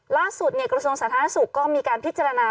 ล่าสุดกระทรวงสถานศึกษ์ก็มีการพิจารณา